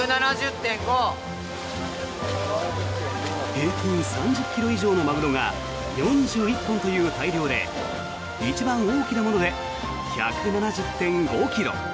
平均３０ｋｇ以上のマグロが４１本という大漁で一番大きなもので１７０．５ｋｇ。